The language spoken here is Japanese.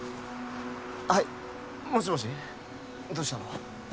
はいもしもしどうしたの？